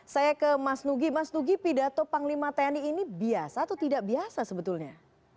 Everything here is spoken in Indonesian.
saya ke mas nugi mas nugi pidato panglima tni ini biasa atau tidak biasa sebetulnya